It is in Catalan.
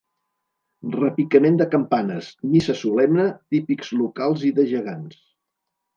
Repicament de campanes, missa solemne, típics locals i de gegants.